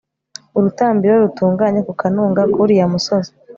urutambiro rutunganye ku kanunga k'uriya musozi